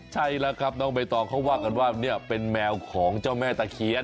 ใช่แล้วครับน้องใบตองเขาว่ากันว่าเนี่ยเป็นแมวของเจ้าแม่ตะเคียน